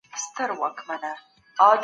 ډیپلوماسي یوازي د نارینه وو کار نه و.